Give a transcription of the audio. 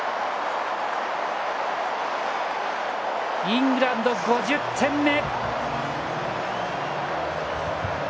イングランド、５０点目！